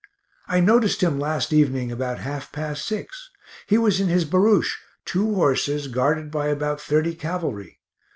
I noticed him last evening about half past 6 he was in his barouche, two horses, guarded by about thirty cavalry.